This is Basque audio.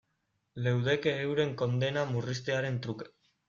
Leudeke euren kondena murriztearen truke.